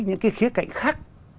những cái khía cạnh khác